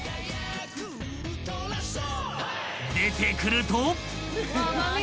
［出てくると］